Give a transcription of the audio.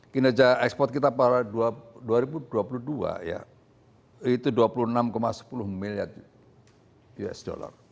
kinerja ekspor kita pada dua ribu dua puluh dua ya itu dua puluh enam sepuluh miliar usd